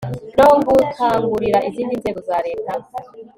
no gukangurira izindi nzego za leta